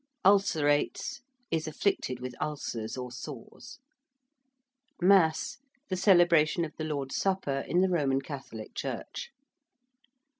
~ulcerates~: is afflicted with ulcers or sores. ~Mass~: the celebration of the Lord's Supper in the Roman Catholic Church.